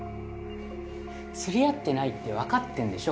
釣り合ってないって分かってんでしょ？